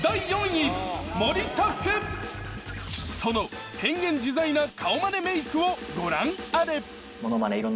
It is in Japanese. その変幻自在な顔まねメイクをご覧あれ。